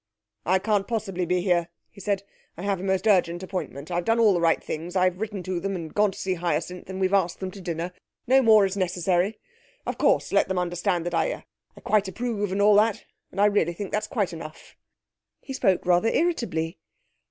'I can't possibly be here,' he said. 'I have a most urgent appointment. I've done all the right things. I've written to them, and gone to see Hyacinth, and we've asked them to dinner. No more is necessary. Of course, let them understand that I I quite approve, and all that. And I really think that's quite enough.' He spoke rather irritably.